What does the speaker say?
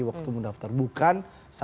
waktu mendaftar bukan